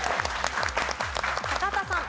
高畑さん。